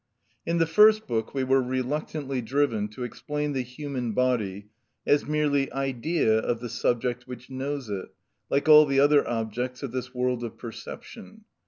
In the first book we were reluctantly driven to explain the human body as merely idea of the subject which knows it, like all the other objects of this world of perception.